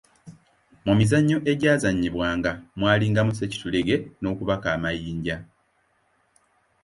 Mu mizannyo egyazannyibwanga mwalingamu ssekitulege n'okubaka amayinja.